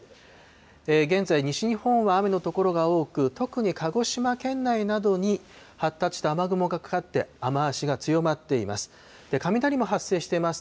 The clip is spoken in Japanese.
現在、西日本は雨の所が多く、特に鹿児島県内などに発達した雨雲がかかって、雨足が強まっています。